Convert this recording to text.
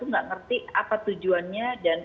nggak ngerti apa tujuannya dan